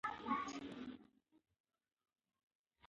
هر لوستونکی د هغه په کلام کې خپل ځان لټولی شي.